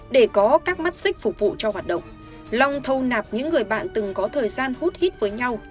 để có các mắt xích phục vụ cho hoạt động long thâu nạp những người bạn từng có thời gian hút hít với nhau